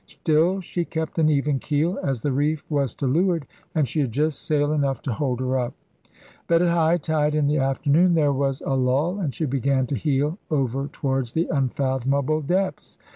StiE she kept an even keel as the reef was to leeward and she had just sail enough to hold her up. But at high tide in the afternoon there was a lull and she began to heel over to wards the unfathomable depths.